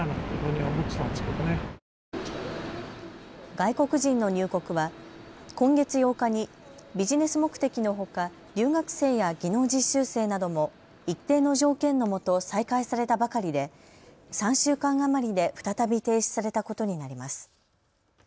外国人の入国は今月８日にビジネス目的のほか留学生や技能実習生なども一定の条件のもと再開されたばかりで３週間余りで再び停止されたことになります。